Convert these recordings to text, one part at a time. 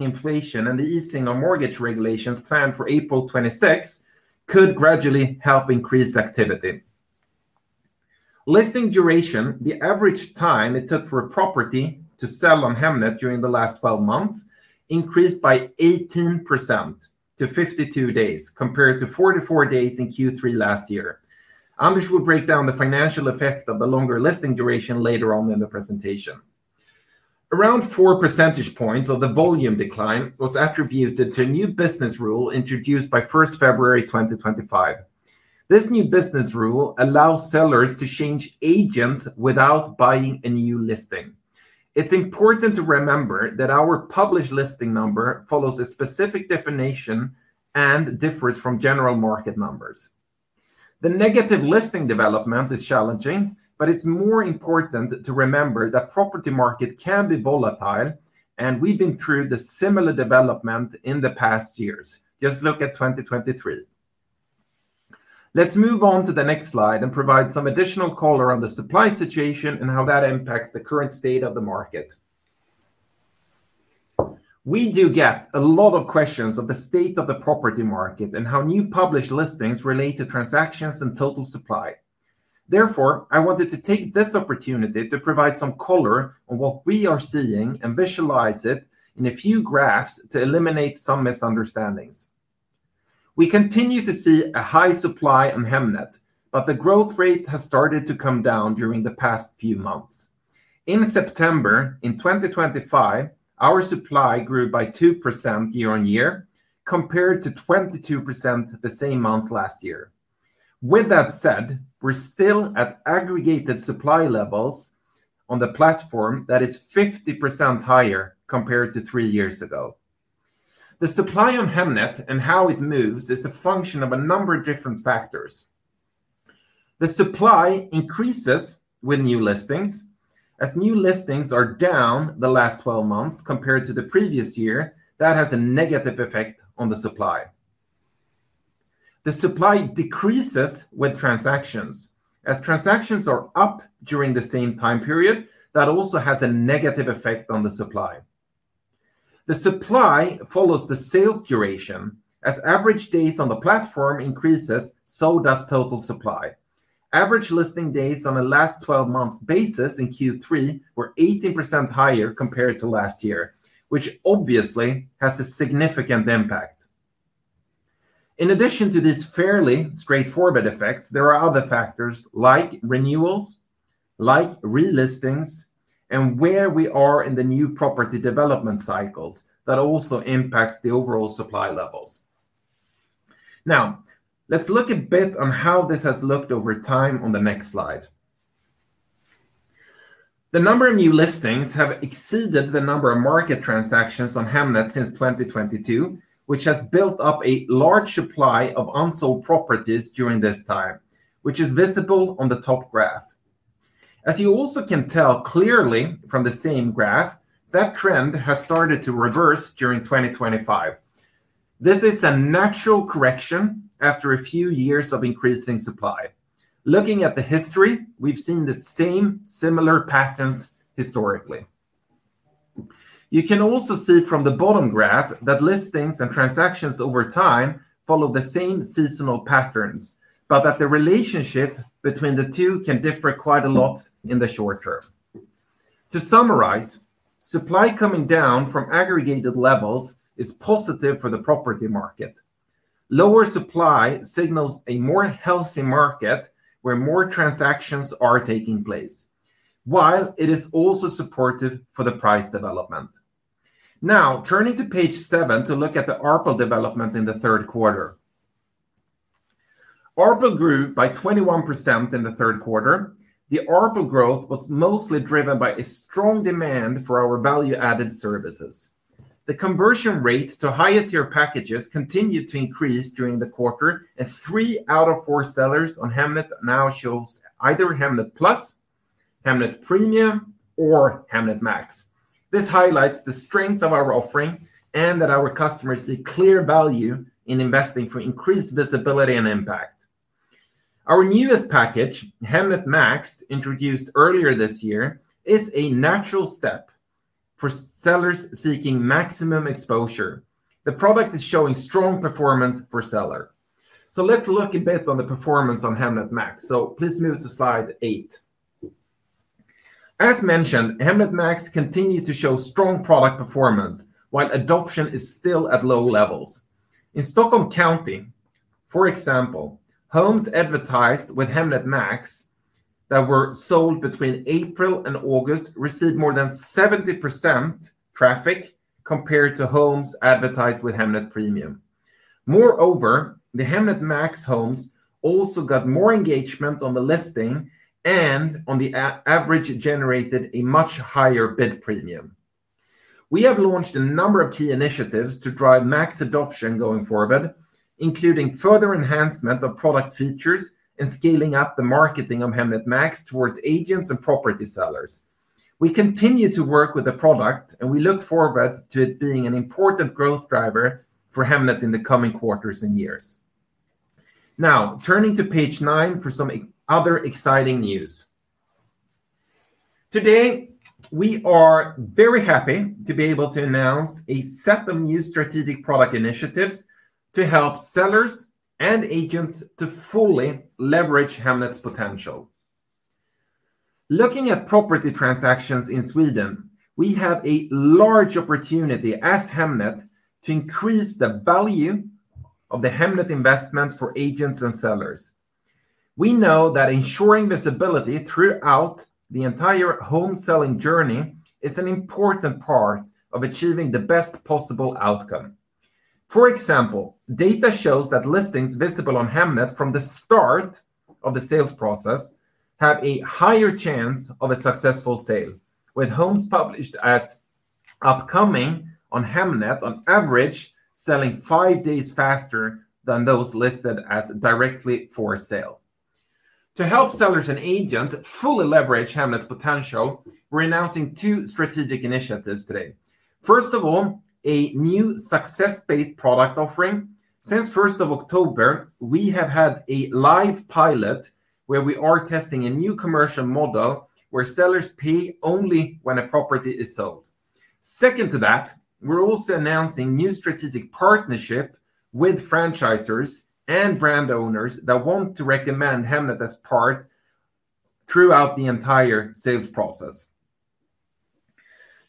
Inflation and the easing on mortgage regulations planned for April 26 could gradually help increase activity. Listing duration, the average time it took for a property to sell on Hemnet during the last 12 months, increased by 18% to 52 days, compared to 44 days in Q3 last year. Anders will break down the financial effect of the longer listing duration later on in the presentation. Around 4 percentage point of the volume decline was attributed to a new business rule introduced by 1st February, 2025. This new business rule allows sellers to change agents without buying a new listing. It's important to remember that our published listing number follows a specific definition and differs from general market numbers. The negative listing development is challenging, but it's more important to remember that the property market can be volatile, and we've been through the similar development in the past years. Just look at 2023. Let's move on to the next slide and provide some additional color on the supply situation and how that impacts the current state of the market. We do get a lot of questions on the state of the property market and how new published listings relate to transactions and total supply. Therefore, I wanted to take this opportunity to provide some color on what we are seeing and visualize it in a few graphs to eliminate some misunderstandings. We continue to see a high supply on Hemnet, but the growth rate has started to come down during the past few months. In September qin 2025, our supply grew by 2% year-on-year compared to 22% the same month last year. With that said, we're still at aggregated supply levels on the platform that is 50% higher compared to three years ago. The supply on Hemnet and how it moves is a function of a number of different factors. The supply increases with new listings. As new listings are down the last 12 months compared to the previous year, that has a negative effect on the supply. The supply decreases with transactions. As transactions are up during the same time period, that also has a negative effect on the supply. The supply follows the sales duration. As average days on the platform increases, so does total supply. Average listing days on a last 12 months basis in Q3 were 18% higher compared to last year, which obviously has a significant impact. In addition to these fairly straightforward effects, there are other factors like renewals, like relistings, and where we are in the new property development cycles that also impact the overall supply levels. Now, let's look a bit on how this has looked over time on the next slide. The number of new listings has exceeded the number of market transactions on Hemnet since 2022, which has built up a large supply of unsold properties during this time, which is visible on the top graph. As you also can tell clearly from the same graph, that trend has started to reverse during 2025. This is a natural correction after a few years of increasing supply. Looking at the history, we've seen the same similar patterns historically. You can also see from the bottom graph that listings and transactions over time follow the same seasonal patterns, but that the relationship between the two can differ quite a lot in the short term. To summarize, supply coming down from aggregated levels is positive for the property market. Lower supply signals a more healthy market where more transactions are taking place, while it is also supportive for the price development. Now, turning to page 7 to look at the ARPU development in the third quarter. ARPU grew by 21% in the third quarter. The ARPU growth was mostly driven by a strong demand for our value-added services. The conversion rate to higher tier packages continued to increase during the quarter, and three out of four sellers on Hemnet now show either Hemnet Plus, Hemnet Premium, or Hemnet Max. This highlights the strength of our offering and that our customers see clear value in investing for increased visibility and impact. Our newest package, Hemnet Max, introduced earlier this year, is a natural step for sellers seeking maximum exposure. The product is showing strong performance for sellers. Let's look a bit on the performance on Hemnet Max. Please move to slide 8. As mentioned, Hemnet Max continued to show strong product performance, while adoption is still at low levels. In Stockholm County, for example, homes advertised with Hemnet Max that were sold between April and August received more than 70% traffic compared to homes advertised with Hemnet Premium. Moreover, the Hemnet Max homes also got more engagement on the listing and on the average generated a much higher bid premium. We have launched a number of key initiatives to drive Max adoption going forward, including further enhancement of product features and scaling up the marketing of Hemnet Max towards agents and property sellers. We continue to work with the product, and we look forward to it being an important growth driver for Hemnet in the coming quarters and years. Now, turning to page 9 for some other exciting news. Today, we are very happy to be able to announce a set of new strategic product initiatives to help sellers and agents to fully leverage Hemnet's potential. Looking at property transactions in Sweden, we have a large opportunity as Hemnet to increase the value of the Hemnet investment for agents and sellers. We know that ensuring visibility throughout the entire home selling journey is an important part of achieving the best possible outcome. For example, data shows that listings visible on Hemnet from the start of the sales process have a higher chance of a successful sale, with homes published as upcoming on Hemnet on average selling five days faster than those listed as directly for sale. To help sellers and agents fully leverage Hemnet's potential, we're announcing two strategic initiatives today. First of all, a new success-based product offering. Since 1st October, we have had a live pilot where we are testing a new commercial model where sellers pay only when a property is sold. Second to that, we're also announcing new strategic partnerships with franchisors and brand owners that want to recommend Hemnet as part throughout the entire sales process.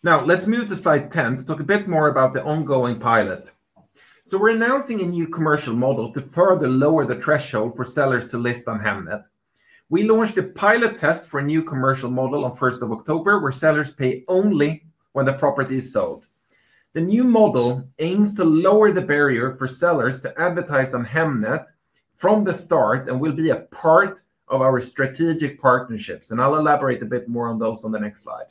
Now, let's move to slide 10 to talk a bit more about the ongoing pilot. We're announcing a new commercial model to further lower the threshold for sellers to list on Hemnet. We launched a pilot test for a new commercial model on 1st of October, where sellers pay only when the property is sold. The new model aims to lower the barrier for sellers to advertise on Hemnet from the start and will be a part of our strategic partnerships, and I'll elaborate a bit more on those on the next slide.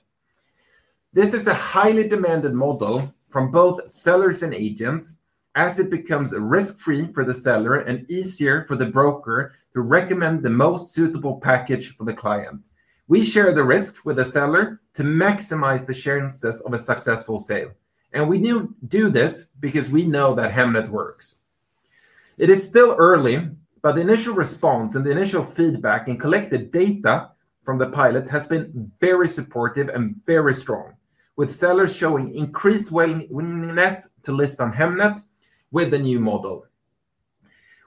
This is a highly demanded model from both sellers and agents, as it becomes risk-free for the seller and easier for the broker to recommend the most suitable package for the client. We share the risk with the seller to maximize the chances of a successful sale, and we do this because we know that Hemnet works. It is still early, but the initial response and the initial feedback in collected data from the pilot has been very supportive and very strong, with sellers showing increased willingness to list on Hemnet with the new model.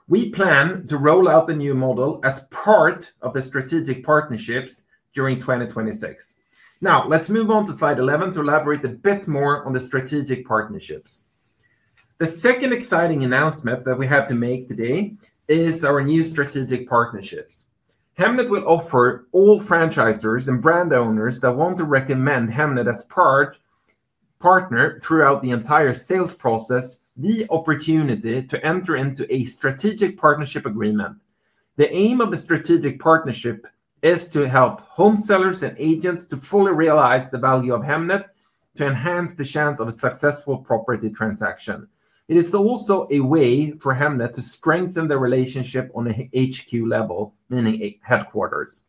We plan to roll out the new model as part of the strategic partnerships during 2026. Now, let's move on to slide 11 to elaborate a bit more on the strategic partnerships. The second exciting announcement that we have to make today is our new strategic partnerships. Hemnet will offer all franchisors and brand owners that want to recommend Hemnet as a partner throughout the entire sales process the opportunity to enter into a strategic partnership agreement. The aim of the strategic partnership is to help home sellers and agents to fully realize the value of Hemnet to enhance the chance of a successful property transaction. It is also a way for Hemnet to strengthen the relationship on an HQ level, meaning headquarters.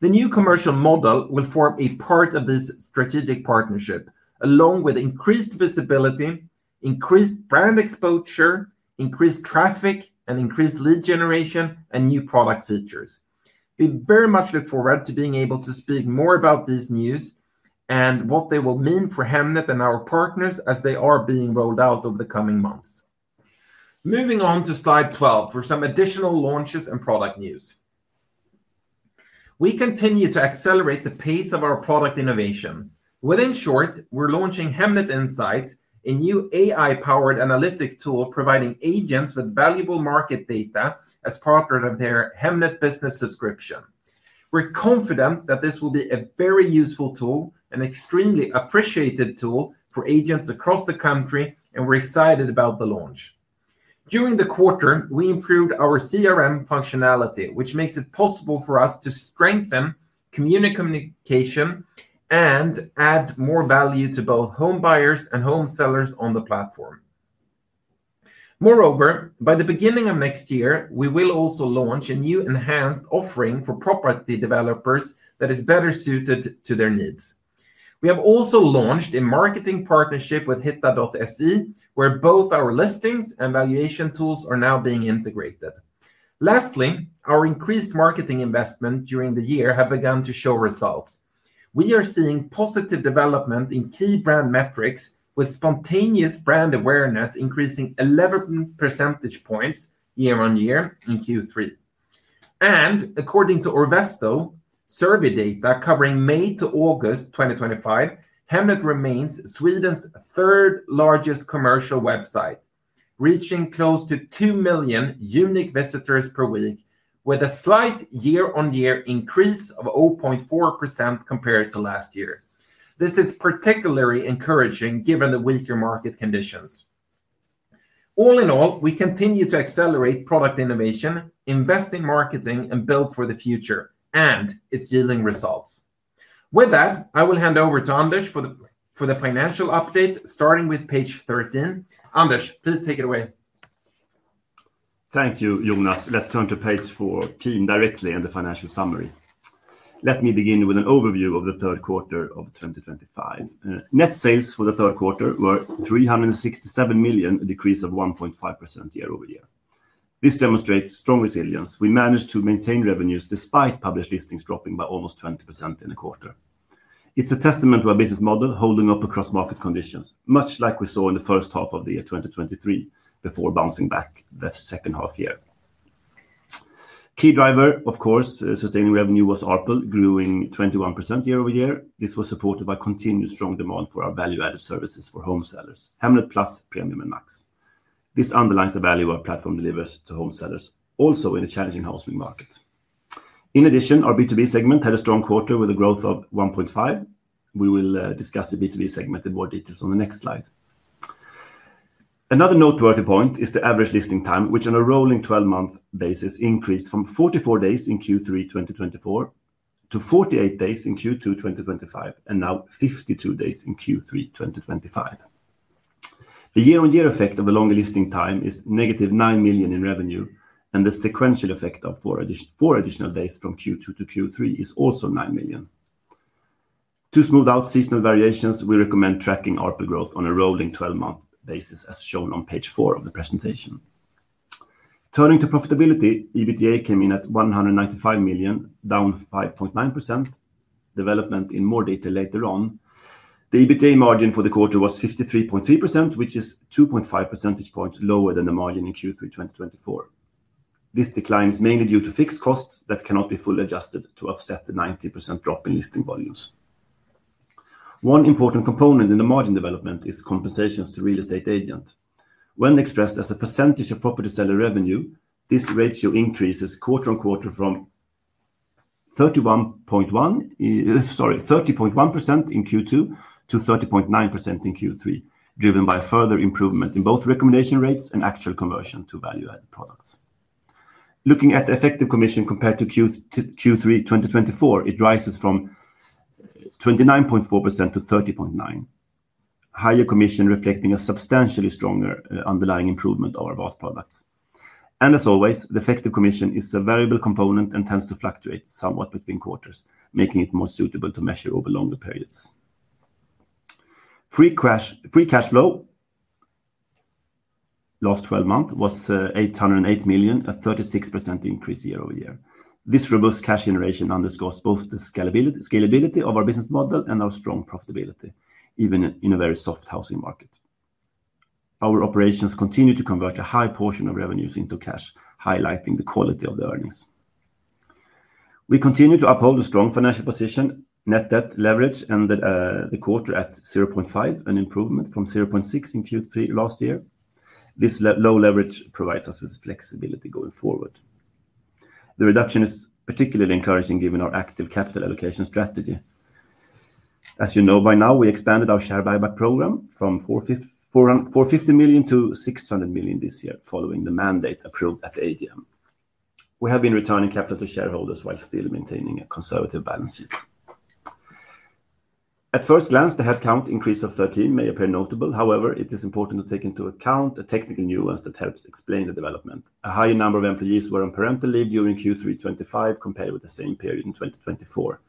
The new commercial model will form a part of this strategic partnership, along with increased visibility, increased brand exposure, increased traffic, increased lead generation, and new product features. We very much look forward to being able to speak more about these news and what they will mean for Hemnet and our partners as they are being rolled out over the coming months. Moving on to slide 12 for some additional launches and product news. We continue to accelerate the pace of our product innovation. Within short, we're launching Hemnet Insights, a new AI-powered analytic tool providing agents with valuable market data as part of their Hemnet business subscription. We're confident that this will be a very useful tool, an extremely appreciated tool for agents across the country, and we're excited about the launch. During the quarter, we improved our CRM functionality, which makes it possible for us to strengthen communication and add more value to both home buyers and home sellers on the platform. Moreover, by the beginning of next year, we will also launch a new enhanced offering for property developers that is better suited to their needs. We have also launched a marketing partnership with Hitta.se, where both our listings and valuation tools are now being integrated. Lastly, our increased marketing investment during the year has begun to show results. We are seeing positive development in key brand metrics, with spontaneous brand awareness increasing 11 percentage points year-on-year in Q3. According to Orvesto, survey data covering May to August 2025, Hemnet remains Sweden's third largest commercial website, reaching close to 2 million unique visitors per week, with a slight year-on-year increase of 0.4% compared to last year. This is particularly encouraging given the weaker market conditions. All in all, we continue to accelerate product innovation, invest in marketing, and build for the future, and it's yielding results. With that, I will hand over to Anders for the financial update, starting with page 13. Anders, please take it away. Thank you, Jonas. Let's turn to page 14 directly in the financial summary. Let me begin with an overview of the third quarter of 2025. Net sales for the third quarter were 367 million, a decrease of 1.5% year-over-year. This demonstrates strong resilience. We managed to maintain revenues despite published listings dropping by almost 20% in a quarter. It's a testament to our business model holding up across market conditions, much like we saw in the first half of the year 2023 before bouncing back the second half year. Key driver, of course, sustaining revenue was ARPU, growing 21% year-over-year. This was supported by continued strong demand for our value-added services for home sellers, Hemnet Plus, Hemnet Premium, and Hemnet Max. This underlines the value our platform delivers to home sellers, also in a challenging housing market. In addition, our B2B segment had a strong quarter with a growth of 1.5%. We will discuss the B2B segment in more detail on the next slide. Another noteworthy point is the average listing time, which on a rolling 12-month basis increased from 44 days in Q3 2024 to 48 days in Q2 2025, and now 52 days in Q3 2025. The year-on-year effect of the longer listing time is negative 9 million in revenue, and the sequential effect of four additional days from Q2 to Q3 is also 9 million. To smooth out seasonal variations, we recommend tracking ARPU growth on a rolling 12-month basis, as shown on page 4 of the presentation. Turning to profitability, EBITDA came in at 195 million, down 5.9%. Development in more data later on. The EBITDA margin for the quarter was 53.3%, which is 2.5 percentage points lower than the margin in Q3 2024. This decline is mainly due to fixed costs that cannot be fully adjusted to offset the 20% drop in listing volumes. One important component in the margin development is compensations to real estate agents. When expressed as a percentage of property seller revenue, this ratio increases quarter on quarter from 31.1% in Q2 to 30.9% in Q3, driven by further improvement in both recommendation rates and actual conversion to value-added products. Looking at the effective commission compared to Q3 2024, it rises from 29.4%-30.9%. Higher commission reflects a substantially stronger underlying improvement of our VAS products. As always, the effective commission is a variable component and tends to fluctuate somewhat between quarters, making it more suitable to measure over longer periods. Free cash flow last 12 months was 808 million, a 36% increase year-over-year. This robust cash generation underscores both the scalability of our business model and our strong profitability, even in a very soft housing market. Our operations continue to convert a high portion of revenues into cash, highlighting the quality of the earnings. We continue to uphold a strong financial position. Net debt leverage ended the quarter at 0.5%, an improvement from 0.6% in Q3 last year. This low leverage provides us with flexibility going forward. The reduction is particularly encouraging given our active capital allocation strategy. As you know by now, we expanded our share buyback program from 450 million-600 million this year, following the mandate approved at the AGM. We have been returning capital to shareholders while still maintaining a conservative balance sheet. At first glance, the headcount increase of 13% may appear notable, however, it is important to take into account a technical nuance that helps explain the development. A higher number of employees were on parental leave during Q3 2025 compared with the same period in 2024.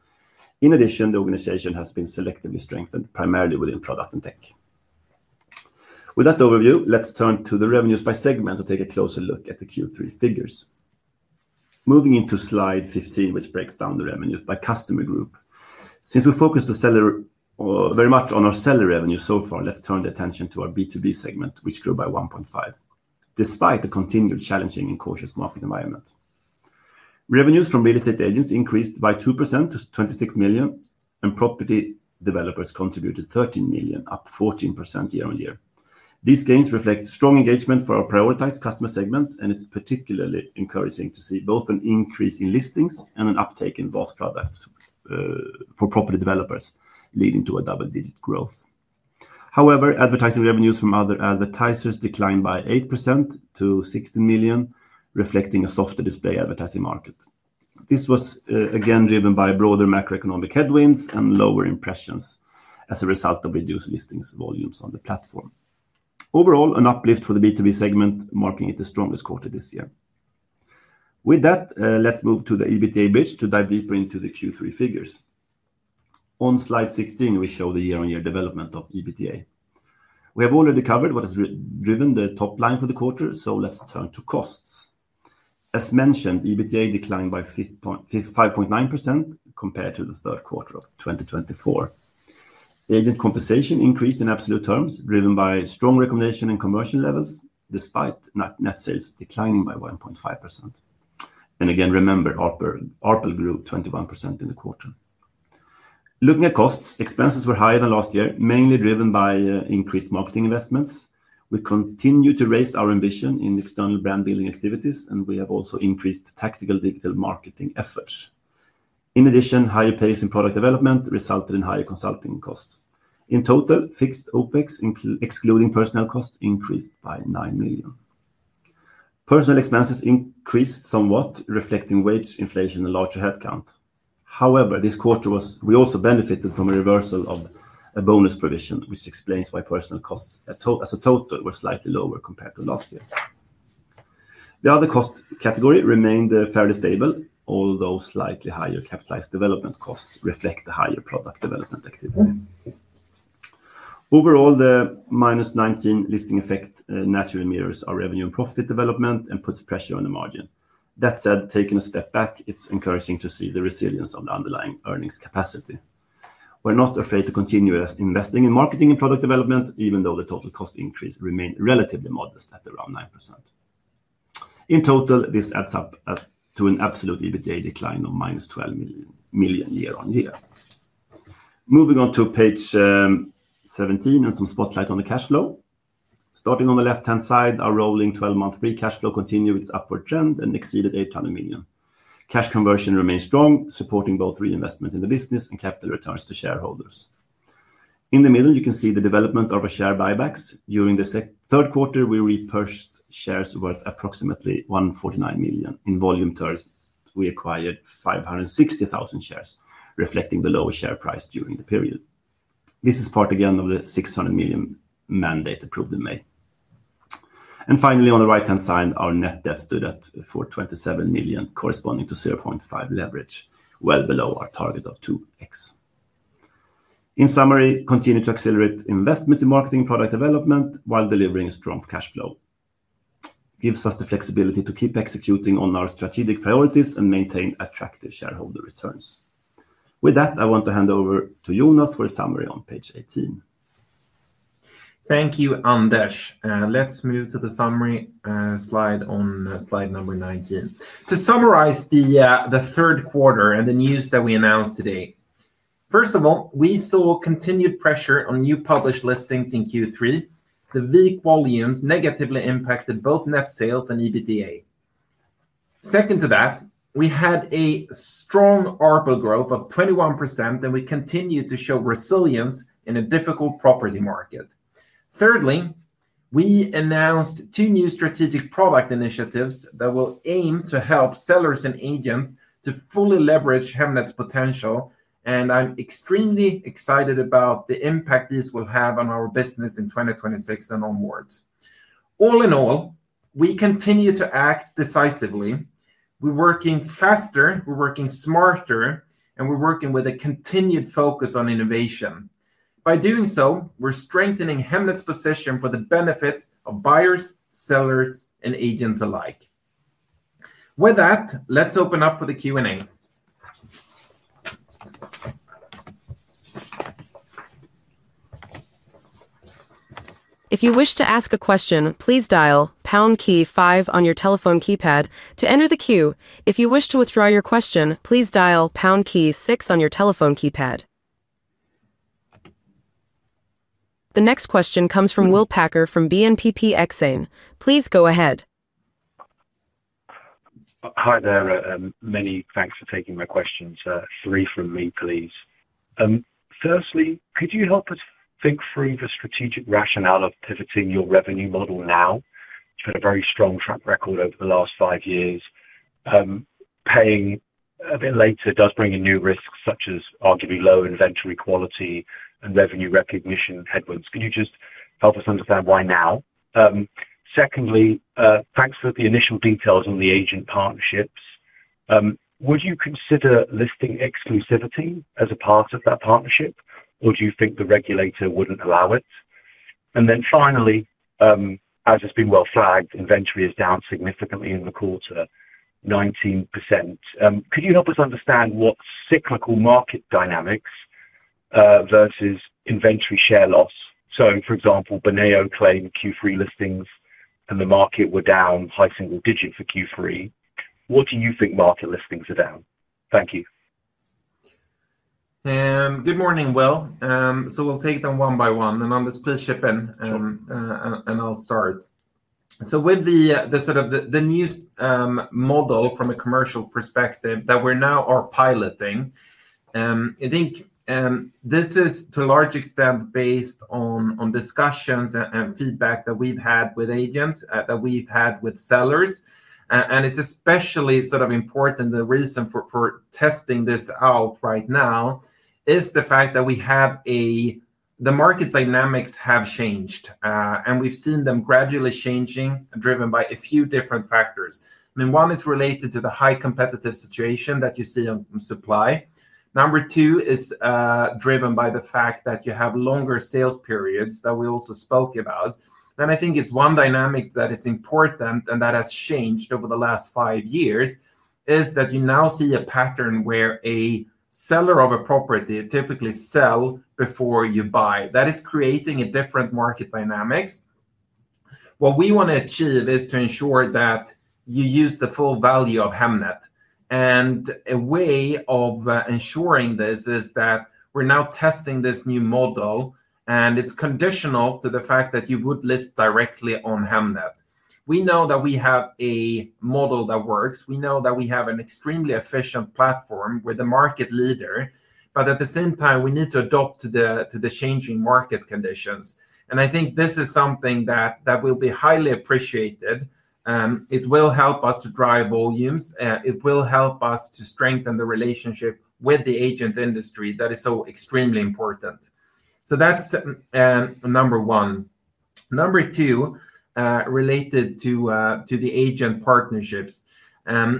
In addition, the organization has been selectively strengthened, primarily within product and tech. With that overview, let's turn to the revenues by segment to take a closer look at the Q3 figures. Moving into slide 15, which breaks down the revenues by customer group. Since we focused very much on our seller revenue so far, let's turn the attention to our B2B segment, which grew by 1.5%, despite the continued challenging and cautious market environment. Revenues from real estate agents increased by 2% to 26 million, and property developers contributed 13 million, up 14% year-on-year. These gains reflect strong engagement for our prioritized customer segment, and it's particularly encouraging to see both an increase in listings and an uptake in VAS products for property developers, leading to a double-digit growth. However, advertising revenues from other advertisers declined by 8% to 16 million, reflecting a softer display advertising market. This was again driven by broader macroeconomic headwinds and lower impressions as a result of reduced listings volumes on the platform. Overall, an uplift for the B2B segment, marking it the strongest quarter this year. With that, let's move to the EBITDA bridge to dive deeper into the Q3 figures. On slide 16, we show the year-on-year development of EBITDA. We have already covered what has driven the top line for the quarter, so let's turn to costs. As mentioned, EBITDA declined by 5.9% compared to the third quarter of 2024. Agent compensation increased in absolute terms, driven by strong recommendation and conversion levels, despite net sales declining by 1.5%. Again, remember, ARPU grew 21% in the quarter. Looking at costs, expenses were higher than last year, mainly driven by increased marketing investments. We continue to raise our ambition in external brand building activities, and we have also increased tactical digital marketing efforts. In addition, higher pace in product development resulted in higher consulting costs. In total, fixed OpEx, excluding personnel costs, increased by 9 million. Personnel expenses increased somewhat, reflecting wage inflation and larger headcount. However, this quarter we also benefited from a reversal of a bonus provision, which explains why personnel costs as a total were slightly lower compared to last year. The other cost category remained fairly stable, although slightly higher capitalized development costs reflect the higher product development activity. Overall, the -19 listing effect naturally mirrors our revenue and profit development and puts pressure on the margin. That said, taking a step back, it's encouraging to see the resilience of the underlying earnings capacity. We're not afraid to continue investing in marketing and product development, even though the total cost increase remained relatively modest at around 9%. In total, this adds up to an absolute EBITDA decline of 12 million year-on-year. Moving on to page 17 and some spotlight on the cash flow. Starting on the left-hand side, our rolling 12-month free cash flow continued its upward trend and exceeded 800 million. Cash conversion remains strong, supporting both reinvestment in the business and capital returns to shareholders. In the middle, you can see the development of our share buybacks. During the third quarter, we repurchased shares worth approximately 149 million. In volume terms, we acquired 560,000 shares, reflecting the low share price during the period. This is part again of the 600 million mandate approved in May. Finally, on the right-hand side, our net debt stood at 427 million, corresponding to 0.5X leverage, well below our target of 2X. In summary, we continue to accelerate investments in marketing and product development while delivering a strong cash flow. It gives us the flexibility to keep executing on our strategic priorities and maintain attractive shareholder returns. With that, I want to hand over to Jonas for a summary on page 18. Thank you, Anders. Let's move to the summary slide on slide number 19. To summarize the third quarter and the news that we announced today, first of all, we saw continued pressure on new published listings in Q3. The weak volumes negatively impacted both net sales and EBITDA. Second to that, we had a strong ARPU growth of 21%, and we continue to show resilience in a difficult property market. Thirdly, we announced two new strategic product initiatives that will aim to help sellers and agents to fully leverage Hemnet's potential, and I'm extremely excited about the impact these will have on our business in 2026 and onwards. All in all, we continue to act decisively. We're working faster, we're working smarter, and we're working with a continued focus on innovation. By doing so, we're strengthening Hemnet's position for the benefit of buyers, sellers, and agents alike. With that, let's open up for the Q&A. If you wish to ask a question, please dial pound key five on your telephone keypad to enter the queue. If you wish to withdraw your question, please dial pound key six on your telephone keypad. The next question comes from Will Packer from BNP P Exane. Please go ahead. Hi there. Many thanks for taking my questions. Three from me, please. Firstly, could you help us think through the strategic rationale of pivoting your revenue model now? You've had a very strong track record over the last five years. Paying a bit later does bring in new risks such as arguably low inventory quality and revenue recognition headwinds. Can you just help us understand why now? Secondly, thanks for the initial details on the agent partnerships. Would you consider listing exclusivity as a part of that partnership, or do you think the regulator wouldn't allow it? Finally, as it's been well flagged, inventory is down significantly in the quarter, 19%. Could you help us understand what cyclical market dynamics versus inventory share loss? For example, Boneo claimed Q3 listings and the market were down high single digit for Q3. What do you think market listings are down? Thank you. Good morning, Will. We'll take them one by one. Anders, please chip in, and I'll start. With the sort of new model from a commercial perspective that we now are piloting, I think this is to a large extent based on discussions and feedback that we've had with agents, that we've had with sellers. It's especially important. The reason for testing this out right now is the fact that the market dynamics have changed, and we've seen them gradually changing, driven by a few different factors. One is related to the high competitive situation that you see on supply. Number two is driven by the fact that you have longer sales periods that we also spoke about. One dynamic that is important and that has changed over the last five years is that you now see a pattern where a seller of a property typically sells before you buy. That is creating a different market dynamic. What we want to achieve is to ensure that you use the full value of Hemnet. A way of ensuring this is that we're now testing this new model, and it's conditional to the fact that you would list directly on Hemnet. We know that we have a model that works. We know that we have an extremely efficient platform with a market leader, but at the same time, we need to adapt to the changing market conditions. I think this is something that will be highly appreciated. It will help us to drive volumes. It will help us to strengthen the relationship with the agent industry that is so extremely important. That's number one. Number two, related to the agent partnerships,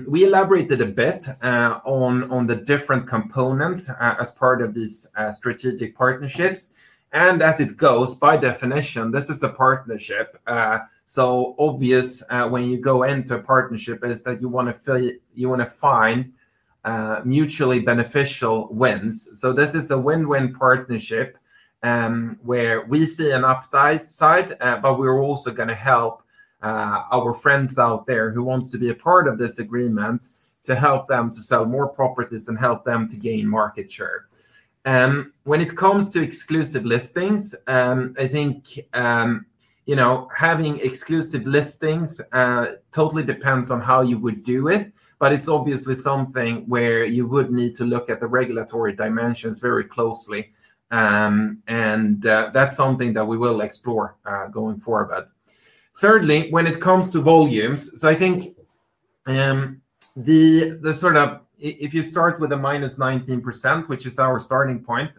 we elaborated a bit on the different components as part of these strategic partnerships. As it goes, by definition, this is a partnership. Obvious when you go into a partnership is that you want to find mutually beneficial wins. This is a win-win partnership where we see an upside, but we're also going to help our friends out there who want to be a part of this agreement to help them to sell more properties and help them to gain market share. When it comes to exclusive listings, I think having exclusive listings totally depends on how you would do it, but it's obviously something where you would need to look at the regulatory dimensions very closely. That's something that we will explore going forward. Thirdly, when it comes to volumes, if you start with a -19%, which is our starting point,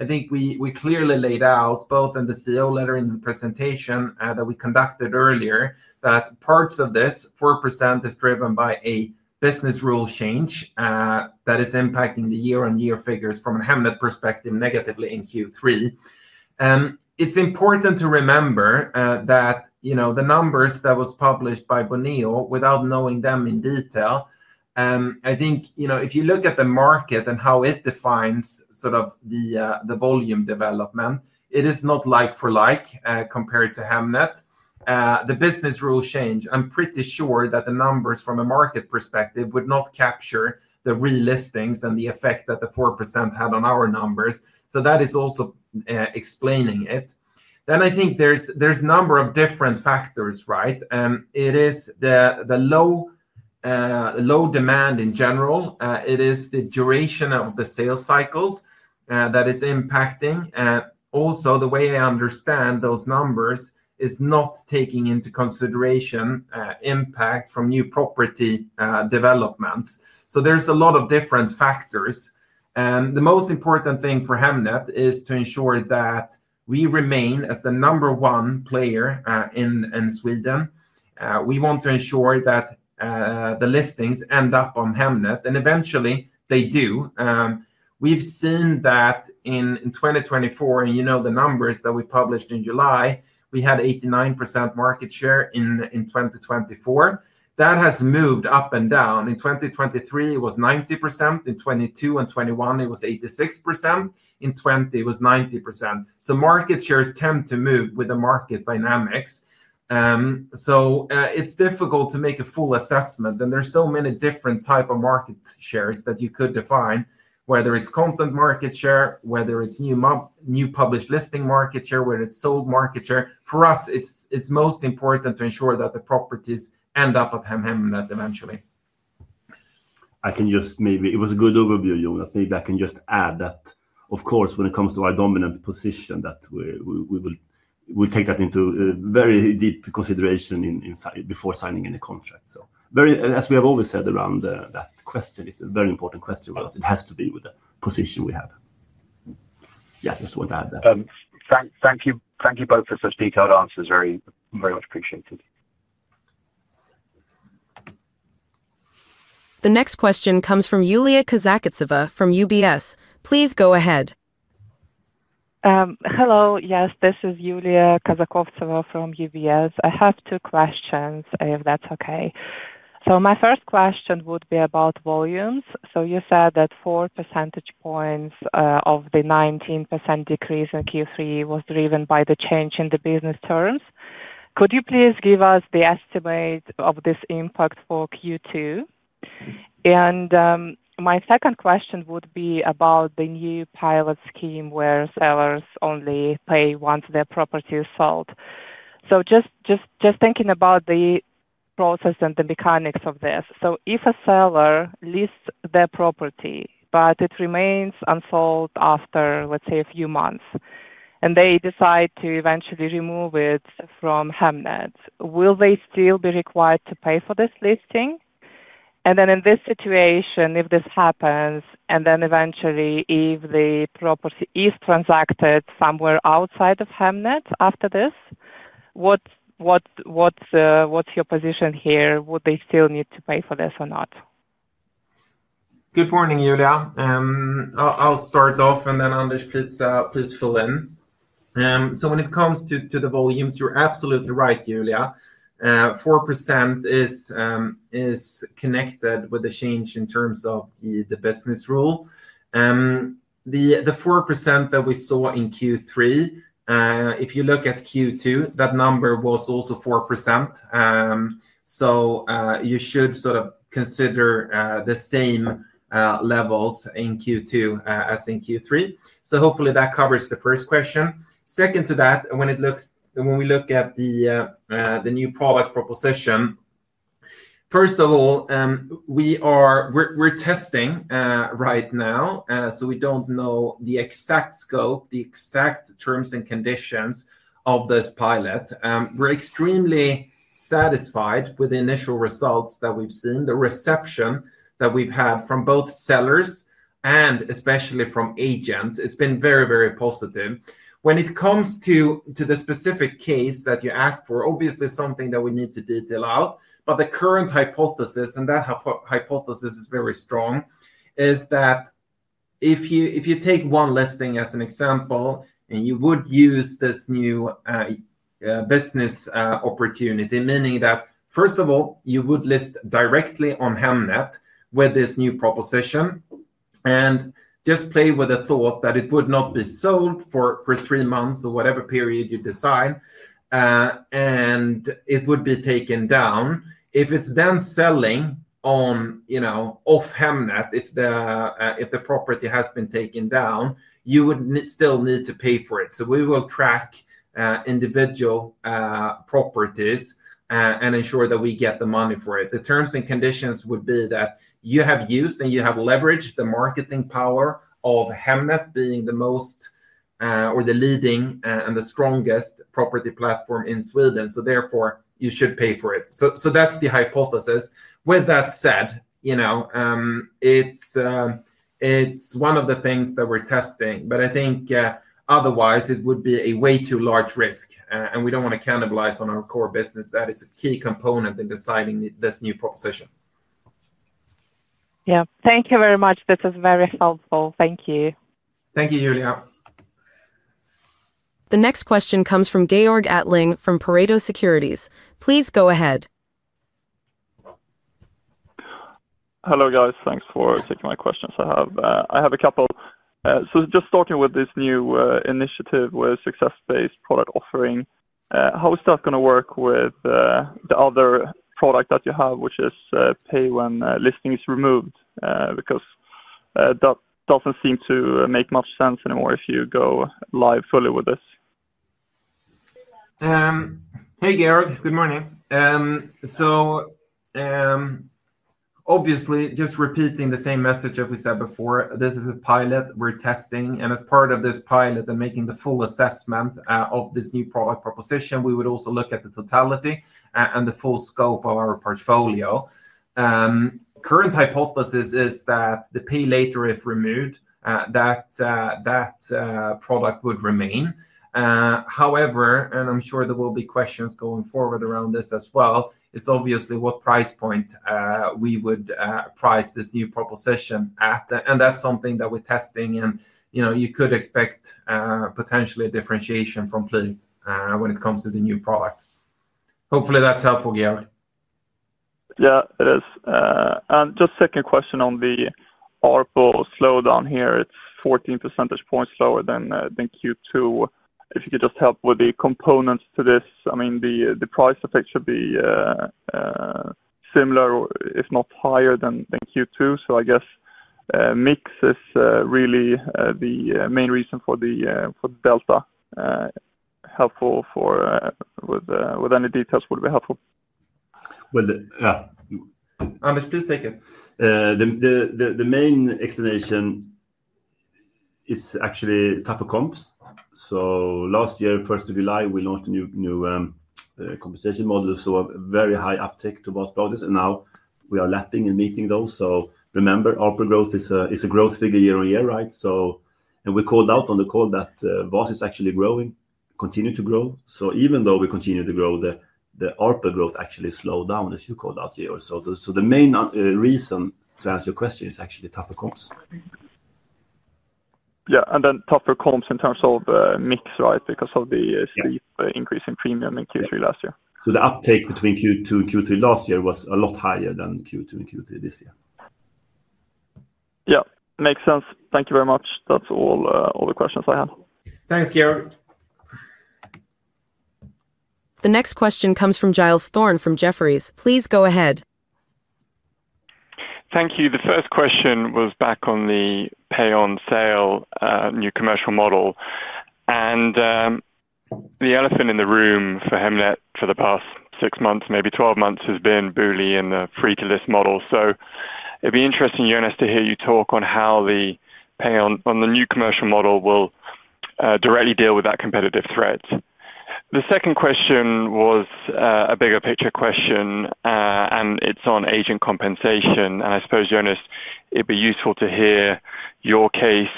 I think we clearly laid out both in the CEO later in the presentation that we conducted earlier that parts of this 4% is driven by a business rule change that is impacting the year-on-year figures from a Hemnet perspective negatively in Q3. It's important to remember that the numbers that were published by Beneo, without knowing them in detail, if you look at the market and how it defines the volume development, it is not like for like compared to Hemnet. The business rule change, I'm pretty sure that the numbers from a market perspective would not capture the relistings and the effect that the 4% had on our numbers. That is also explaining it. I think there's a number of different factors, right? It is the low demand in general. It is the duration of the sales cycles that is impacting. Also, the way I understand those numbers is not taking into consideration the impact from new property developments. There's a lot of different factors. The most important thing for Hemnet is to ensure that we remain as the number one player in Sweden. We want to ensure that the listings end up on Hemnet, and eventually they do. We've seen that in 2024, and the numbers that we published in July, we had 89% market share in 2024. That has moved up and down. In 2023, it was 90%, in 2022 and 2021 it was 86%, in 2020, it was 90%. Market shares tend to move with the market dynamics. It's difficult to make a full assessment, and there's so many different types of market shares that you could define, whether it's content market share, whether it's new published listing market share, whether it's sold market share. For us, it's most important to ensure that the properties end up at Hemnet eventually. I can just maybe, it was a good overview, Jonas. Maybe I can just add that, of course, when it comes to our dominant position, we will take that into very deep consideration before signing any contract. As we have always said around that question, it's a very important question for us. It has to be with the position we have. Yeah, I just want to add that. Thank you both for such detailed answers. Very much appreciated. The next question comes from Yulia Kazakovtseva from UBS. Please go ahead. Hello. Yes, this is Yulia Kazakovtseva from UBS. I have two questions, if that's okay. My first question would be about volumes. You said that four percentage points of the 19% decrease in Q3 was driven by the change in the business terms. Could you please give us the estimate of this impact for Q2? My second question would be about the new pilot scheme where sellers only pay once their property is sold. Thinking about the process and the mechanics of this, if a seller lists their property, but it remains unsold after, let's say, a few months, and they decide to eventually remove it from Hemnet, will they still be required to pay for this listing? In this situation, if this happens, and eventually if the property is transacted somewhere outside of Hemnet after this, what's your position here? Would they still need to pay for this or not? Good morning, Yulia. I'll start off, and then Anders, please fill in. When it comes to the volumes, you're absolutely right, Yulia. 4% is connected with the change in terms of the business rule. The 4% that we saw in Q3, if you look at Q2, that number was also 4%. You should sort of consider the same levels in Q2 as in Q3. Hopefully, that covers the first question. Second to that, when we look at the new product proposition, first of all, we're testing right now, so we don't know the exact scope, the exact terms and conditions of this pilot. We're extremely satisfied with the initial results that we've seen, the reception that we've had from both sellers and especially from agents. It's been very, very positive. When it comes to the specific case that you asked for, obviously something that we need to detail out, but the current hypothesis, and that hypothesis is very strong, is that if you take one listing as an example, you would use this new business opportunity, meaning that first of all, you would list directly on Hemnet with this new proposition and just play with the thought that it would not be sold for three months or whatever period you decide, and it would be taken down. If it's then selling off Hemnet, if the property has been taken down, you would still need to pay for it. We will track individual properties and ensure that we get the money for it. The terms and conditions would be that you have used and you have leveraged the marketing power of Hemnet being the most or the leading and the strongest property platform in Sweden. Therefore, you should pay for it. That's the hypothesis. With that said, it's one of the things that we're testing, but I think otherwise, it would be a way too large risk, and we don't want to cannibalize on our core business. That is a key component in deciding this new proposition. Yeah, thank you very much. This is very helpful. Thank you. Thank you, Yulia. The next question comes from Georg Attling from Pareto Securities. Please go ahead. Hello guys, thanks for taking my questions. I have a couple. Just starting with this new initiative with success-based product offering, how is that going to work with the other product that you have, which is pay when listing is removed? That doesn't seem to make much sense anymore if you go live fully with this. Hey Georg, good morning. Obviously, just repeating the same message that we said before, this is a pilot. We're testing, and as part of this pilot and making the full assessment of this new product proposition, we would also look at the totality and the full scope of our portfolio. The current hypothesis is that the pay later, if removed, that product would remain. However, I'm sure there will be questions going forward around this as well. It's obviously what price point we would price this new proposition at. That's something that we're testing, and you could expect potentially a differentiation from play when it comes to the new product. Hopefully, that's helpful, Georg. Yeah, it is. Just a second question on the ARPU slowdown here. It's 14% lower than Q2. If you could just help with the components to this, I mean, the price effect should be similar, if not higher, than Q2. I guess mix is really the main reason for the delta. Any details would be helpful. Well, yeah. Anders, please take it. The main explanation is actually tougher comps. Last year, 1st July, we launched a new compensation model, so a very high uptake to VAS products, and now we are lapping and meeting those. Remember, ARPU growth is a growth figure year-on-year, right? We called out on the call that VAS is actually growing, continue to grow. Even though we continue to grow, the ARPU growth actually slowed down, as you called out, Georg. The main reason to answer your question is actually tougher comps. Yeah, tougher comps in terms of mix, right? Because of the steep increase in premium in Q3 last year. The uptake between Q2 and Q3 last year was a lot higher than Q2 and Q3 this year. Yeah, makes sense. Thank you very much. That's all the questions I had. Thanks, Georg. The next question comes from Giles Thorne from Jefferies. Please go ahead. Thank you. The first question was back on the pay-on-sale new commercial model. The elephant in the room for Hemnet for the past six months, maybe 12 months, has been Booli and the free-to-list model. It would be interesting, Jonas, to hear you talk on how they pay on the new commercial model will directly deal with that competitive threat. The second question was a bigger picture question, and it's on agent compensation. I suppose, Jonas, it would be useful to hear your case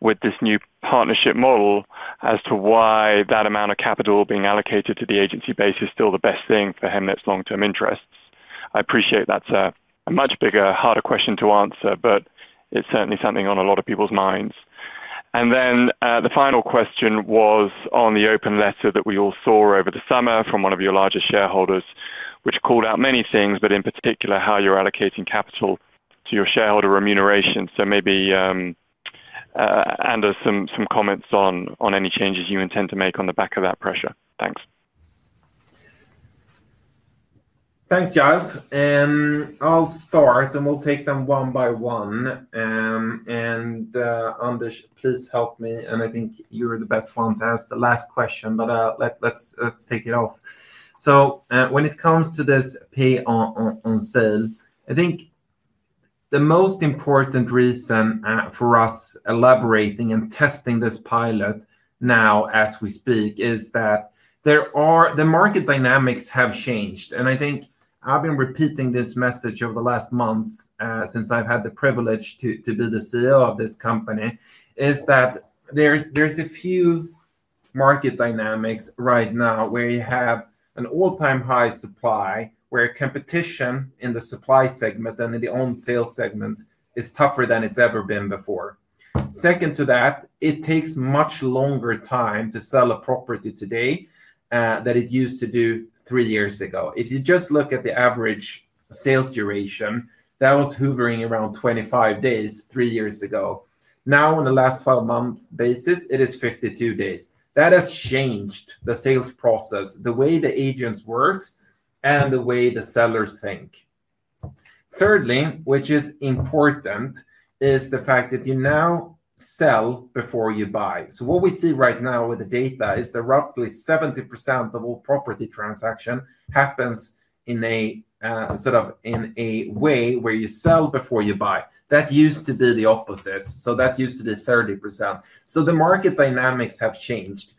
with this new partnership model as to why that amount of capital being allocated to the agency base is still the best thing for Hemnet's long-term interests. I appreciate that's a much bigger, harder question to answer, but it's certainly something on a lot of people's minds. The final question was on the open letter that we all saw over the summer from one of your largest shareholders, which called out many things, but in particular how you're allocating capital to your shareholder remuneration. Maybe, Anders, some comments on any changes you intend to make on the back of that pressure. Thanks. Thanks, Giles. I'll start, and we'll take them one by one. Anders, please help me. I think you're the best one to ask the last question, but let's take it off. When it comes to this pay-on-sale, I think the most important reason for us elaborating and testing this pilot now as we speak is that the market dynamics have changed. I think I've been repeating this message over the last months since I've had the privilege to be the CEO of this company, is that there's a few market dynamics right now where you have an all-time high supply, where competition in the supply segment and in the on-sale segment is tougher than it's ever been before. Second to that, it takes much longer time to sell a property today than it used to do three years ago. If you just look at the average sales duration, that was hovering around 25 days three years ago. Now, on the last 12-month basis, it is 52 days. That has changed the sales process, the way the agents work, and the way the sellers think. Thirdly, which is important, is the fact that you now sell before you buy. What we see right now with the data is that roughly 70% of all property transactions happen in a sort of way where you sell before you buy. That used to be the opposite. That used to be 30%. The market dynamics have changed.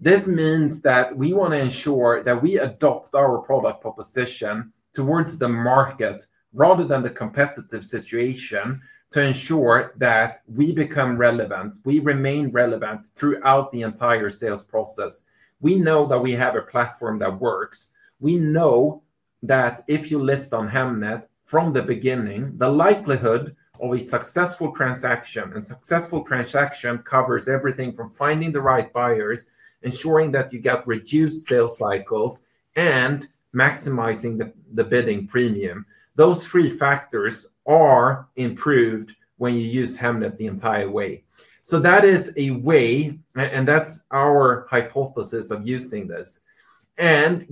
This means that we want to ensure that we adopt our product proposition towards the market rather than the competitive situation to ensure that we become relevant, we remain relevant throughout the entire sales process. We know that we have a platform that works. We know that if you list on Hemnet from the beginning, the likelihood of a successful transaction, and a successful transaction covers everything from finding the right buyers, ensuring that you get reduced sales cycles, and maximizing the bidding premium. Those three factors are improved when you use Hemnet the entire way. That is a way, and that's our hypothesis of using this.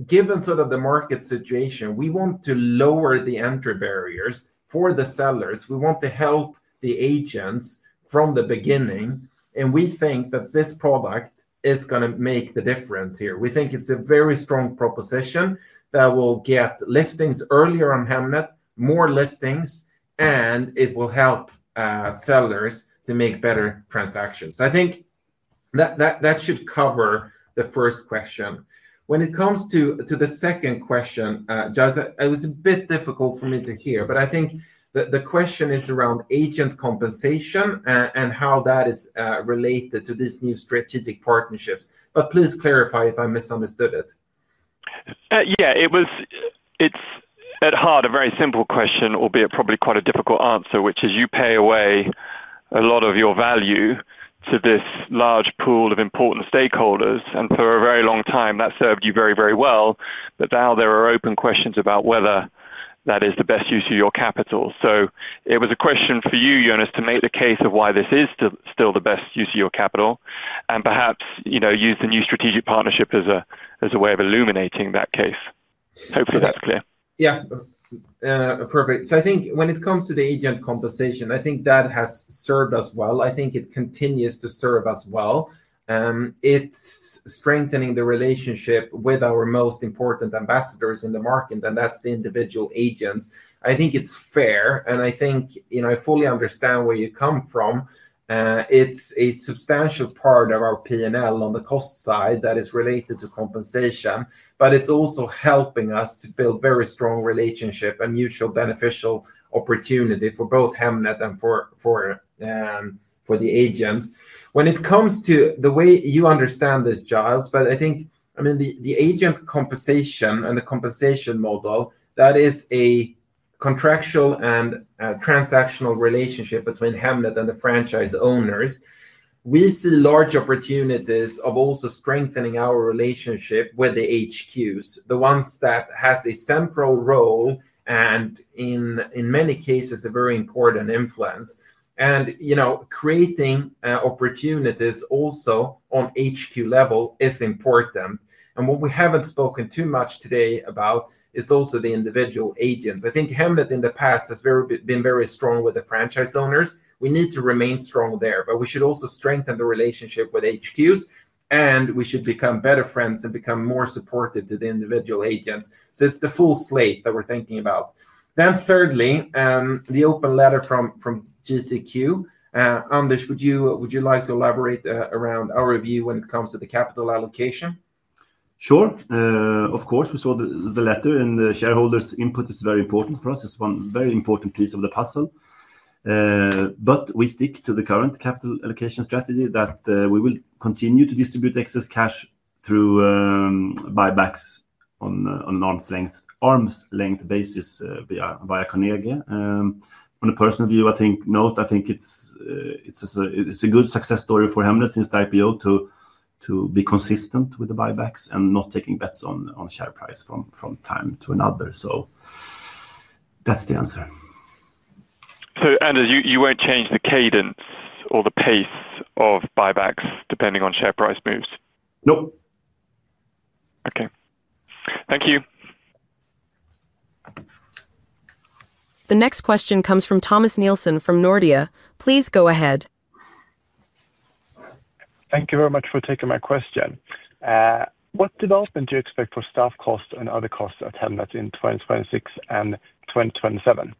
Given sort of the market situation, we want to lower the entry barriers for the sellers. We want to help the agents from the beginning, and we think that this product is going to make the difference here. We think it's a very strong proposition that will get listings earlier on Hemnet, more listings, and it will help sellers to make better transactions. I think that should cover the first question. When it comes to the second question, Giles, it was a bit difficult for me to hear, but I think the question is around agent compensation and how that is related to these new strategic partnerships. Please clarify if I misunderstood it. Yeah, it was at heart a very simple question, albeit probably quite a difficult answer, which is you pay away a lot of your value to this large pool of important stakeholders. For a very long time, that served you very, very well. There are open questions about whether that is the best use of your capital. It was a question for you, Jonas, to make the case of why this is still the best use of your capital and perhaps use the new strategic partnership as a way of illuminating that case. Hopefully, that's clear. Yeah, perfect. I think when it comes to the agent compensation, that has served us well. I think it continues to serve us well. It's strengthening the relationship with our most important ambassadors in the market, and that's the individual agents. I think it's fair, and I fully understand where you come from. It's a substantial part of our P&L on the cost side that is related to compensation, but it's also helping us to build a very strong relationship and mutually beneficial opportunity for both Hemnet and for the agents. When it comes to the way you understand this, Giles, the agent compensation and the compensation model, that is a contractual and transactional relationship between Hemnet and the franchise owners. We see large opportunities of also strengthening our relationship with the HQs, the ones that have a central role and in many cases a very important influence. You know, creating opportunities also on HQ level is important. What we haven't spoken too much today about is also the individual agents. I think Hemnet in the past has been very strong with the franchise owners. We need to remain strong there, but we should also strengthen the relationship with HQs, and we should become better friends and become more supportive to the individual agents. It's the full slate that we're thinking about. Thirdly, the open letter from GCQ. Anders, would you like to elaborate around our view when it comes to the capital allocation? Sure. Of course, we saw the letter, and the shareholders' input is very important for us. It's one very important piece of the puzzle. We stick to the current capital allocation strategy that we will continue to distribute excess cash through buybacks on an arm's length basis via Carnegie. On a personal view, I think it's a good success story for Hemnet since the IPO to be consistent with the buybacks and not taking bets on share price from time to time. That's the answer. Anders, you won't change the cadence or the pace of buybacks depending on share price moves? Nope. Okay, thank you. The next question comes from Thomas Nielsen from Nordea. Please go ahead. Thank you very much for taking my question. What development do you expect for staff costs and other costs at Hemnet in 2026 and 2027?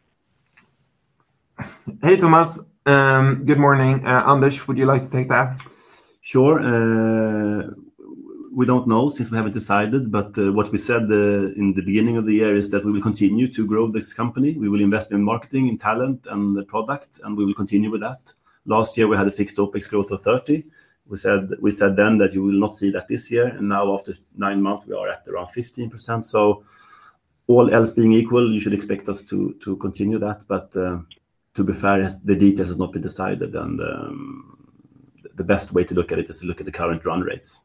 Hey Thomas, good morning. Anders, would you like to take that? Sure. We don't know since we haven't decided, but what we said in the beginning of the year is that we will continue to grow this company. We will invest in marketing, in talent, and the product, and we will continue with that. Last year, we had a fixed OpEx growth of 30%. We said then that you will not see that this year, and now after nine months, we are at around 15%. All else being equal, you should expect us to continue that. To be fair, the details have not been decided, and the best way to look at it is to look at the current run rates.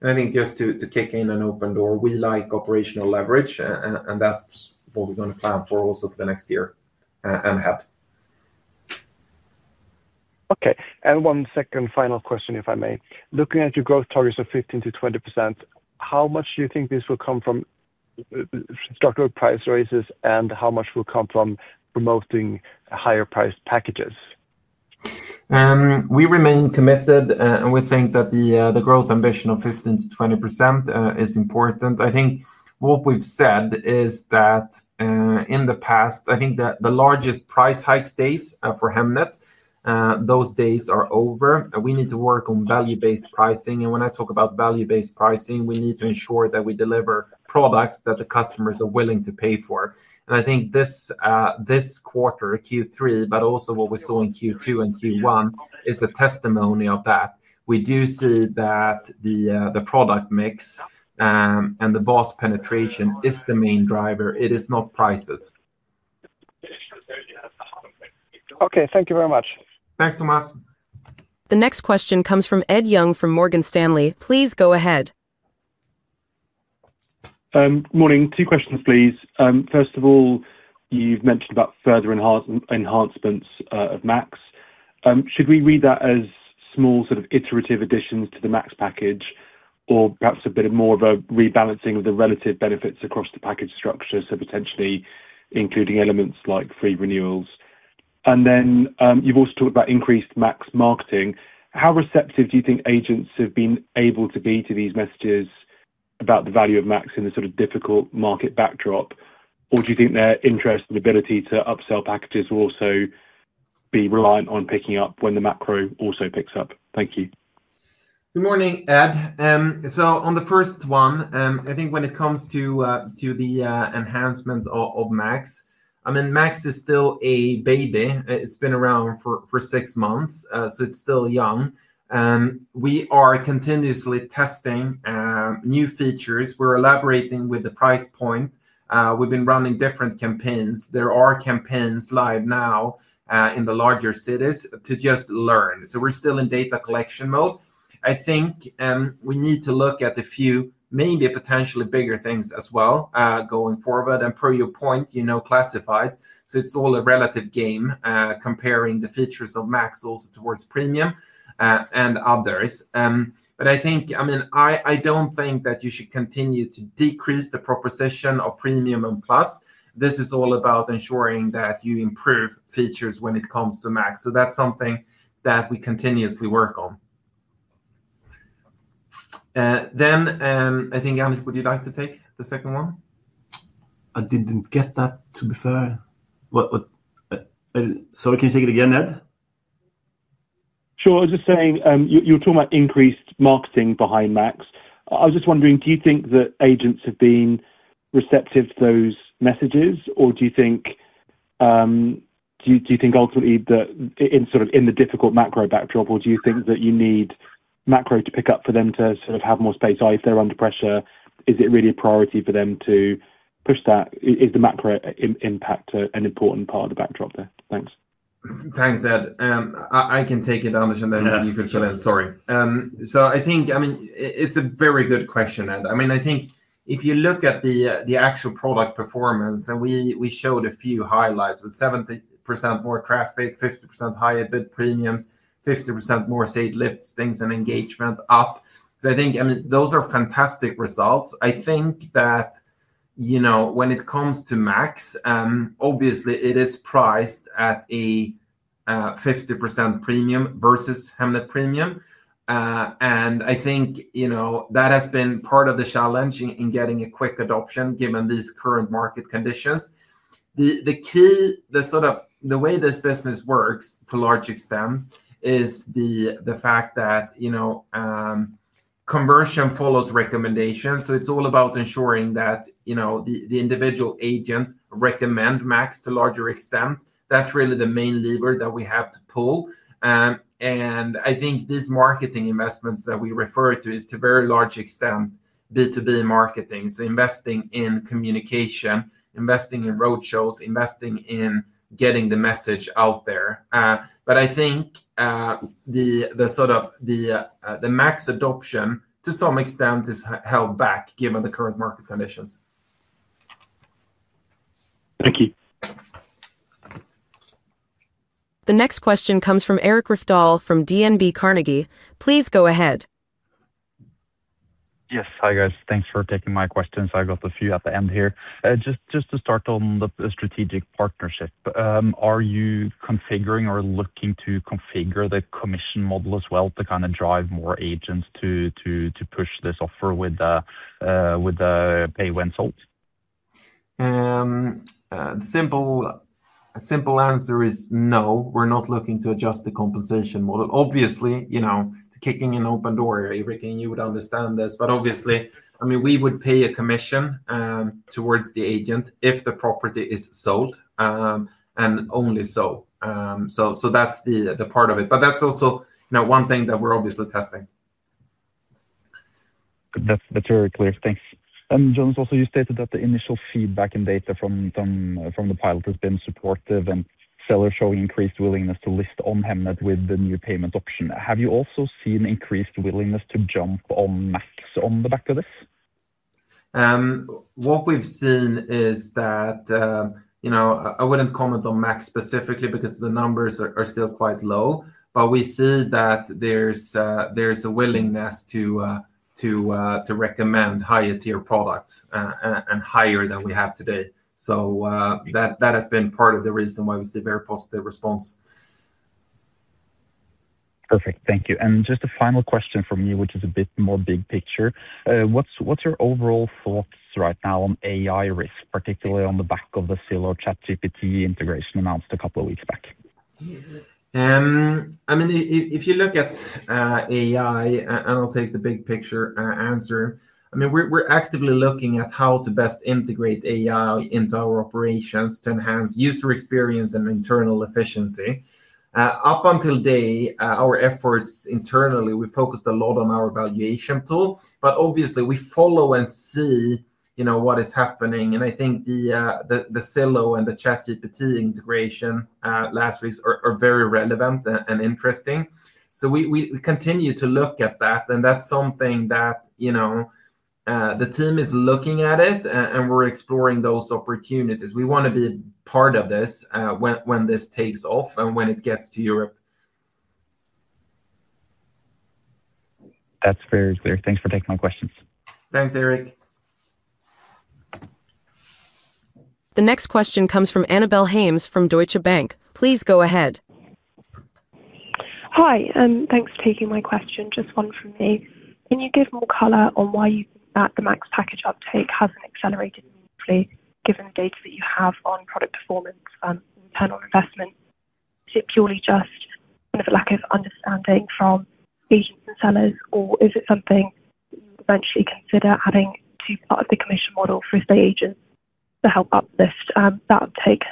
We like operational leverage, and that's what we're going to plan for also for the next year and ahead. Okay. One second final question, if I may. Looking at your growth targets of 15%-20%, how much do you think this will come from structural price raises, and how much will come from promoting higher priced packages? We remain committed, and we think that the growth ambition of 15%-20% is important. What we've said is that in the past, the largest price hike days for Hemnet, those days are over. We need to work on value-based pricing. When I talk about value-based pricing, we need to ensure that we deliver products that the customers are willing to pay for. This quarter, Q3, but also what we saw in Q2 and Q1, is a testimony of that. We do see that the product mix and the VAS penetration is the main driver. It is not prices. Okay, thank you very much. Thanks, Thomas. The next question comes from Ed Young from Morgan Stanley. Please go ahead. Morning. Two questions, please. First of all, you've mentioned about further enhancements of Max. Should we read that as small, sort of iterative additions to the Max package, or perhaps a bit more of a rebalancing of the relative benefits across the package structure, potentially including elements like free renewals? You've also talked about increased Max marketing. How receptive do you think agents have been able to be to these messages about the value of Max in the sort of difficult market backdrop? Do you think their interest and ability to upsell packages will also be reliant on picking up when the macro also picks up? Thank you. Good morning, Ed. On the first one, when it comes to the enhancement of Max, Max is still a baby. It's been around for six months, so it's still young. We are continuously testing new features. We're elaborating with the price point. We've been running different campaigns. There are campaigns live now in the larger cities to just learn. We're still in data collection mode. I think we need to look at a few, maybe potentially bigger things as well going forward. Per your point, classified, it's all a relative game comparing the features of Max also towards Premium and others. I don't think that you should continue to decrease the proposition of Premium and Plus. This is all about ensuring that you improve features when it comes to Max. That's something that we continuously work on. Anders, would you like to take the second one? I didn't get that, to be fair. Sorry, can you take it again, Ed? I was just saying you were talking about increased marketing behind Max. I was just wondering, do you think that agents have been receptive to those messages? Do you think ultimately that in the difficult macro backdrop, you need macro to pick up for them to have more space? If they're under pressure, is it really a priority for them to push that? Is the macro impact an important part of the backdrop there? Thanks. Thanks, Ed. I can take it, Anders, and then you can fill in. Sorry. I think it's a very good question, Ed. I think if you look at the actual product performance, and we showed a few highlights with 70% more traffic, 50% higher bid premiums, 50% more saved lifts, things, and engagement up. I think those are fantastic results. I think that, you know, when it comes to Max, obviously it is priced at a 50% premium versus Hemnet Premium. I think that has been part of the challenge in getting a quick adoption given these current market conditions. The key, the sort of the way this business works to a large extent is the fact that, you know, conversion follows recommendations. It's all about ensuring that, you know, the individual agents recommend Max to a larger extent. That's really the main lever that we have to pull. I think these marketing investments that we refer to is to a very large extent B2B marketing. Investing in communication, investing in roadshows, investing in getting the message out there. I think the sort of the Max adoption to some extent is held back given the current market conditions. Thank you. The next question comes from Eirik Rafdal from DNB Carnegie. Please go ahead. Yes. Hi guys, thanks for taking my questions. I got a few at the end here. Just to start on the strategic partnership, are you configuring or looking to configure the commission model as well to kind of drive more agents to push this offer with the pay when sold? Simple answer is no. We're not looking to adjust the compensation model. Obviously, to kick an open door, Eirik, you would understand this. Obviously, we would pay a commission towards the agent if the property is sold, and only so. That's the part of it. That's also one thing that we're obviously testing. That's very clear. Thanks. Jonas, also you stated that the initial feedback and data from the pilot has been supportive, and sellers showing increased willingness to list on Hemnet with the new payment option. Have you also seen increased willingness to jump on Max on the back of this? What we've seen is that I wouldn't comment on Max specifically because the numbers are still quite low, but we see that there's a willingness to recommend higher-tier products and higher than we have today. That has been part of the reason why we see a very positive response. Perfect. Thank you. Just a final question from you, which is a bit more big picture. What's your overall thoughts right now on AI risk, particularly on the back of the similar ChatGPT integration announced a couple of weeks back? If you look at AI, and I'll take the big picture answer, we're actively looking at how to best integrate AI into our operations to enhance user experience and internal efficiency. Up until today, our efforts internally, we focused a lot on our evaluation tool, but obviously we follow and see what is happening. I think the Cello and the ChatGPT integration last week are very relevant and interesting. We continue to look at that, and that's something that the team is looking at, and we're exploring those opportunities. We want to be part of this when this takes off and when it gets to Europe. That's very clear. Thanks for taking my questions. Thanks, Eirik. The next question comes from Annabel Hames from Deutsche Bank. Please go ahead. Hi, and thanks for taking my question. Just one from me. Can you give more color on why you think that the Hemnet Max package uptake hasn't accelerated meaningfully given the data that you have on product performance and internal investment? Is it purely just kind of a lack of understanding from agents and sellers, or is it something that you would eventually consider adding to part of the commission model for, say, agents to help uplift that uptake?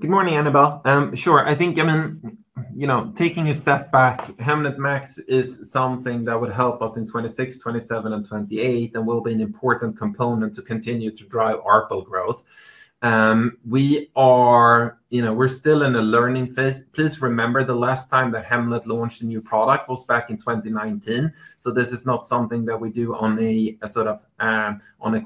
Good morning, Annabel. Sure. I think, I mean, you know, taking a step back, Hemnet Max is something that would help us in 2026, 2027, and 2028, and will be an important component to continue to drive ARPU growth. We're still in a learning phase. Please remember the last time that Hemnet launched a new product was back in 2019. This is not something that we do on a sort of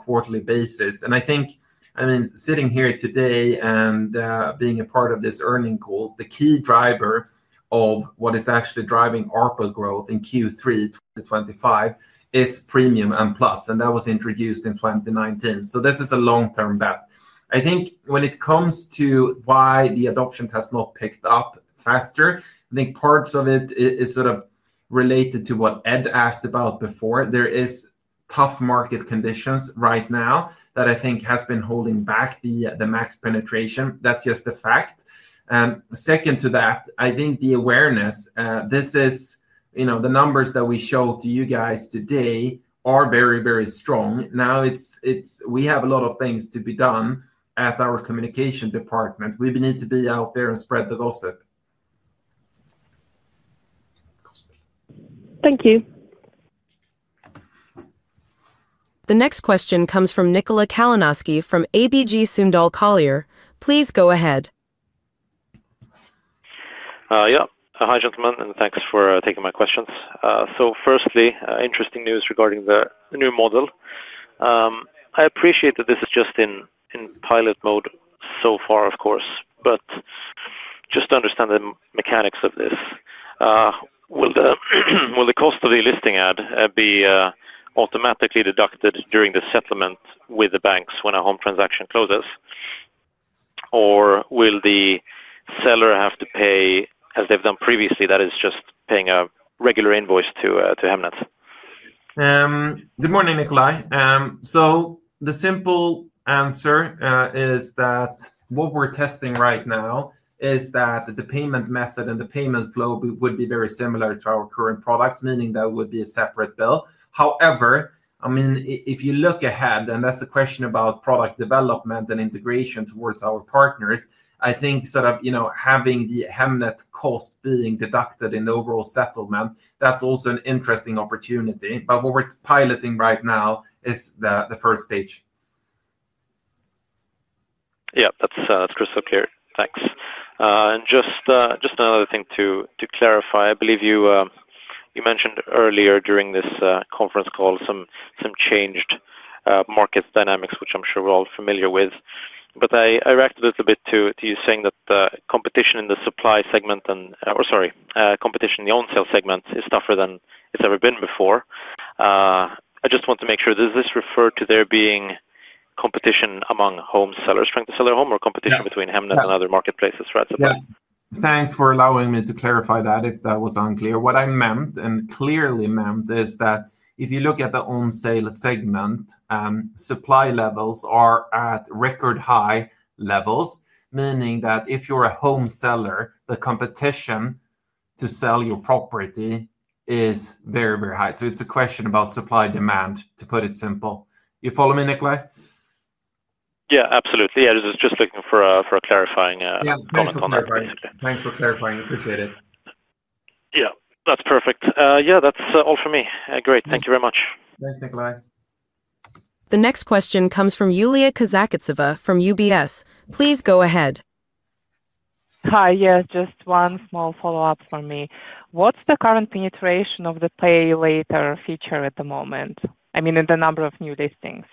quarterly basis. I think, I mean, sitting here today and being a part of this earnings call, the key driver of what is actually driving ARPU growth in Q3 to 2025 is Premium and Plus, and that was introduced in 2019. This is a long-term bet. I think when it comes to why the adoption has not picked up faster, I think parts of it are sort of related to what Ed asked about before. There are tough market conditions right now that I think have been holding back the Max penetration. That's just a fact. Second to that, I think the awareness, this is, you know, the numbers that we showed to you guys today are very, very strong. We have a lot of things to be done at our communication department. We need to be out there and spread the gossip. Thank you. The next question comes from Nikola Kalanoski from ABG Sundal Collier. Please go ahead. Hi, gentlemen, and thanks for taking my questions. Firstly, interesting news regarding the new model. I appreciate that this is just in pilot mode so far, of course, but just to understand the mechanics of this, will the cost of the listing ad be automatically deducted during the settlement with the banks when a home transaction closes, or will the seller have to pay as they've done previously? That is just paying a regular invoice to Hemnet. Good morning, Nikola. The simple answer is that what we're testing right now is that the payment method and the payment flow would be very similar to our current products, meaning that it would be a separate bill. However, if you look ahead, and that's a question about product development and integration towards our partners, I think having the Hemnet cost being deducted in the overall settlement is also an interesting opportunity. What we're piloting right now is the first stage. Yeah, that's crystal clear. Thanks. Just another thing to clarify, I believe you mentioned earlier during this conference call some changed market dynamics, which I'm sure we're all familiar with. I reacted a little bit to you saying that the competition in the supply segment, or sorry, competition in the on-sale segment is tougher than it's ever been before. I just want to make sure, does this refer to there being competition among home sellers trying to sell their home or competition between Hemnet and other marketplaces, right? Thanks for allowing me to clarify that if that was unclear. What I meant and clearly meant is that if you look at the on-sale segment, supply levels are at record high levels, meaning that if you're a home seller, the competition to sell your property is very, very high. It's a question about supply demand, to put it simple. You follow me, Nikola? Yeah, absolutely. I was just looking for a clarifying comment on that. Thanks for clarifying. Appreciate it. Yeah, that's perfect. Yeah, that's all for me. Great. Thank you very much. Thanks, Nikola. The next question comes from Yulia Kazakovtseva from UBS. Please go ahead. Hi. Yeah, just one small follow-up for me. What's the current penetration of the pay later feature at the moment? I mean, in the number of new listings?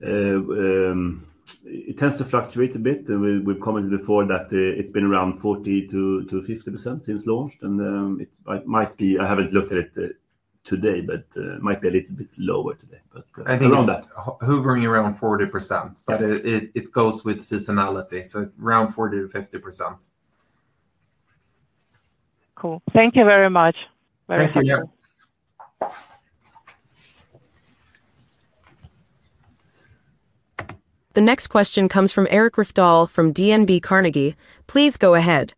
It tends to fluctuate a bit. We've commented before that it's been around 40%-50% since launched, and it might be, I haven't looked at it today, but it might be a little bit lower today, but around that. I think it's hovering around 40%, but it goes with seasonality, so around 40%-50%. Cool. Thank you very much. Thanks Yulia. The next question comes from Eirik Rafdal from DNB Carnegie. Please go ahead.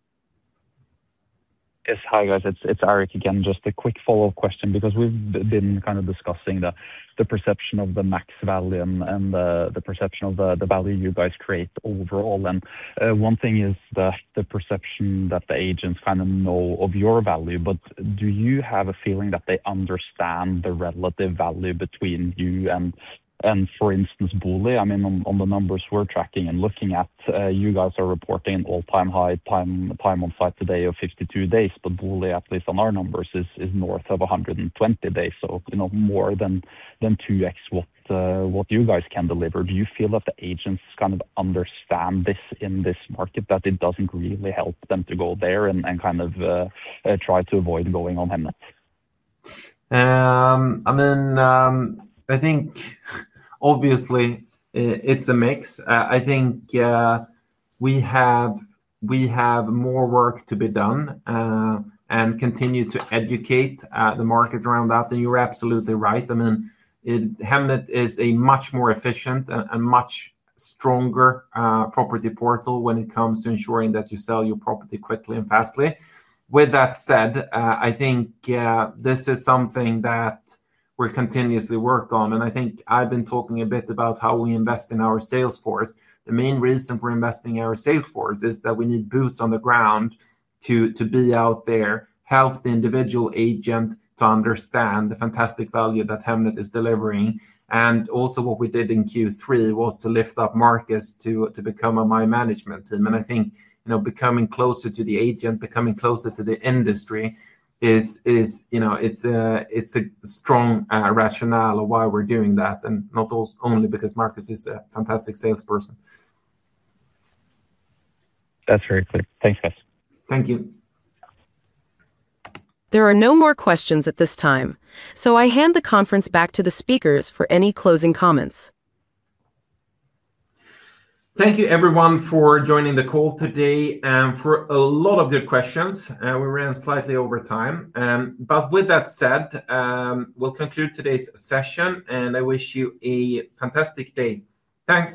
Yes. Hi guys, it's Eric again. Just a quick follow-up question because we've been kind of discussing the perception of the Max value and the perception of the value you guys create overall. One thing is the perception that the agents kind of know of your value, but do you have a feeling that they understand the relative value between you and, for instance, Booli? I mean, on the numbers we're tracking and looking at, you guys are reporting an all-time high time on site today of 52 days, but Booli, at least on our numbers, is north of 120 days. You know, more than 2X what you guys can deliver. Do you feel that the agents kind of understand this in this market, that it doesn't really help them to go there and kind of try to avoid going on Hemnet? I mean, I think obviously it's a mix. I think we have more work to be done and continue to educate the market around that, and you're absolutely right. Hemnet is a much more efficient and much stronger property portal when it comes to ensuring that you sell your property quickly and fastly. With that said, this is something that we're continuously working on. I've been talking a bit about how we invest in our sales force. The main reason for investing in our sales force is that we need boots on the ground to be out there, help the individual agent to understand the fantastic value that Hemnet is delivering. What we did in Q3 was to lift up Marcus to become on my management team. Becoming closer to the agent, becoming closer to the industry is a strong rationale of why we're doing that, and not only because Marcus is a fantastic salesperson. That's very clear. Thanks, guys. Thank you. There are no more questions at this time. I hand the conference back to the speakers for any closing comments. Thank you, everyone, for joining the call today and for a lot of good questions. We ran slightly over time. With that said, we'll conclude today's session, and I wish you a fantastic day. Thanks.